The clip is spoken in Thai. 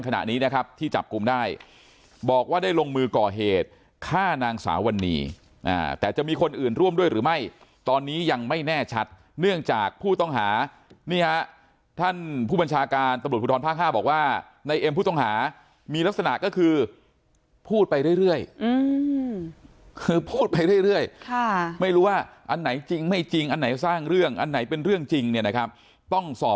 ขณะนี้นะครับที่จับกลุ่มได้บอกว่าได้ลงมือก่อเหตุฆ่านางสาววันนี้แต่จะมีคนอื่นร่วมด้วยหรือไม่ตอนนี้ยังไม่แน่ชัดเนื่องจากผู้ต้องหานี่ฮะท่านผู้บัญชาการตำรวจภูทรภาค๕บอกว่าในเอ็มผู้ต้องหามีลักษณะก็คือพูดไปเรื่อยคือพูดไปเรื่อยไม่รู้ว่าอันไหนจริงไม่จริงอันไหนสร้างเรื่องอันไหนเป็นเรื่องจริงเนี่ยนะครับต้องสอบ